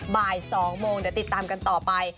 บ่าย๒โมงเดี๋ยวติดตามกันต่อไป